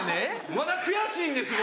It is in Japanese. まだ悔しいんですよ。